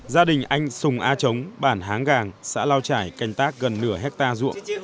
gia đình anh sùng a trống bản háng gàng xã lao trải canh tác gần nửa hectare ruộng